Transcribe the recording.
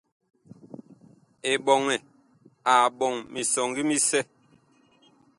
Eɓɔŋɛ a ɓɔŋ misɔŋgi misɛ.